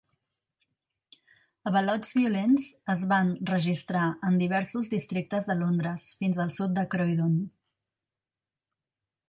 Avalots violents es van registrar en diversos districtes de Londres, fins al sud de Croydon.